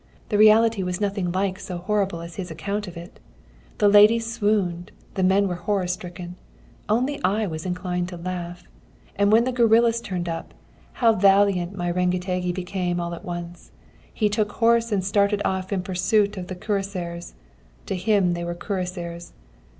The reality was nothing like so horrible as his account of it. The ladies swooned, the men were horror stricken, only I was inclined to laugh. And when the guerillas turned up, how valiant my Rengetegi became all at once! He took horse and started off in pursuit of the cuirassiers. (To him they were cuirassiers!)